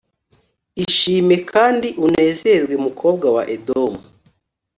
Ishime kandi unezerwe, mukobwa wa Edomu